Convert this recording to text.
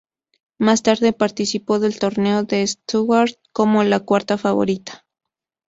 Más tarde participó del Torneo de Stuttgart como la cuarta favorita.